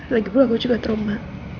lagi pula aku juga trauma